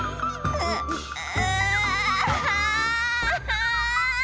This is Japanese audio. うう。